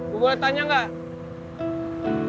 gue boleh tanya gak